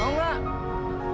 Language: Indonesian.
susu kiki juga habis pak